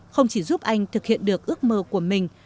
không chỉ giúp anh thực hiện được ước mơ của mình